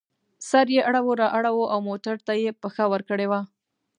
سر یې اړو را اړوو او موټر ته یې پښه ورکړې وه.